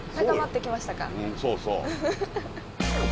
うんそうそう。